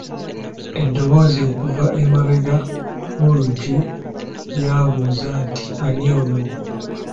Eddoboozi okuva emabega w'oluggi lyabuuza nti ani oyo?